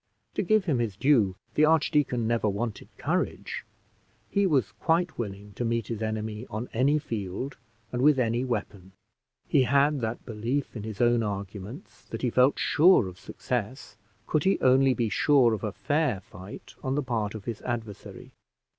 To give him his due, the archdeacon never wanted courage; he was quite willing to meet his enemy on any field and with any weapon. He had that belief in his own arguments that he felt sure of success, could he only be sure of a fair fight on the part of his adversary.